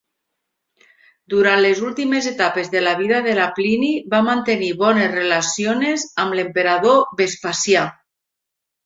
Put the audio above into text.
Durant les últimes etapes de la vida de Plini, va mantenir bones relaciones amb l'emperador Vespasià.